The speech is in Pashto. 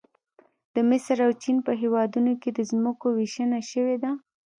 د مصر او چین په هېوادونو کې د ځمکو ویشنه شوې ده